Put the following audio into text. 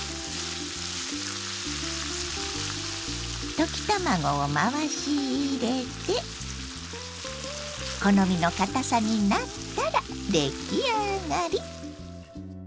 溶き卵を回し入れて好みのかたさになったら出来上がり！